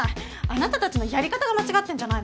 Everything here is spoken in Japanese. あなたたちのやり方が間違ってんじゃないの？